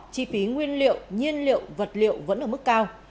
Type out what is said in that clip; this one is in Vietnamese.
chi phí nguyên liệu nhiên liệu vật liệu vẫn ở mức cao